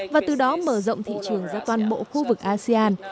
và từ đó mở rộng thị trường ra toàn bộ khu vực asean